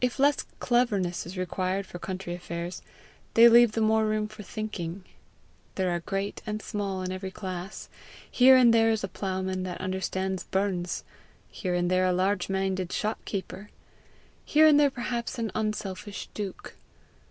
If less CLEVERNESS is required for country affairs, they leave the more room for thinking. There are great and small in every class; here and there is a ploughman that understands Burns, here and there a large minded shopkeeper, here and there perhaps an unselfish duke.